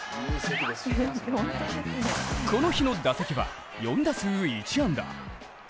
この日の打席は４打数１安打。